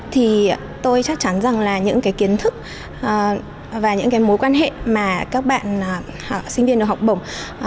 thì tôi chắc chắn rằng là những cái kiến thức và những cái mối quan hệ mà các bạn sinh viên được học bổng